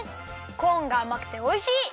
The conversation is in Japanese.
コーンがあまくておいしい！